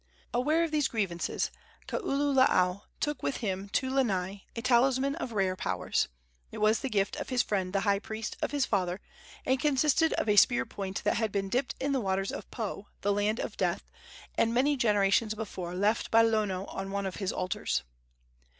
Aware of these grievances, Kaululaau took with him to Lanai a talisman of rare powers. It was the gift of his friend, the high priest of his father, and consisted of a spear point that had been dipped in the waters of Po, the land of death, and many generations before left by Lono on one of his altars.